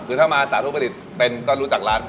คือถ้ามาสาธุประดิษฐ์เป็นก็รู้จักร้าน